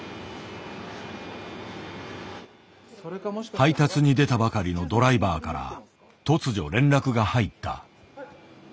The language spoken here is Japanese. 配達に出たばかりのドライバーから突如連絡が入った。